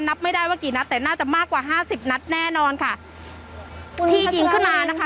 นับไม่ได้ว่ากี่นัดแต่น่าจะมากกว่าห้าสิบนัดแน่นอนค่ะที่ยิงขึ้นมานะคะ